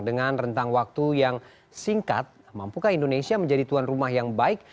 dengan rentang waktu yang singkat mampukah indonesia menjadi tuan rumah yang baik